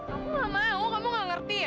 aku nggak mau kamu nggak ngerti ya